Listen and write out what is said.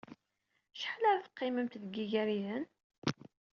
Acḥal ara teqqimemt deg Igariden?